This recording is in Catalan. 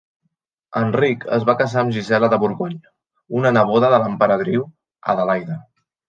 Enric es va casar amb Gisela de Borgonya, una neboda de l'emperadriu Adelaida.